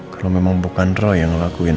kalau memang bukan roh yang ngelakuin